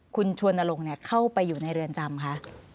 คุณชวนลงเข้าไปอยู่ในเรือนจำคะ